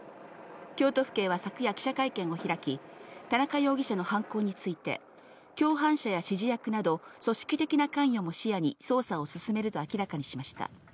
京都府警は昨夜、記者会見を開き、田中容疑者の犯行について、共犯者や指示役など、組織的な関与も視野に捜査を進めると明らかにしました。